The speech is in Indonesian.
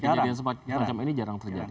kejadian semacam ini jarang terjadi